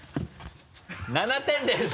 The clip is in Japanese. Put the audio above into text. ７点です